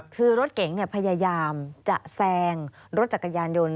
คือรถเก๋งพยายามจะแซงรถจักรยานยนต์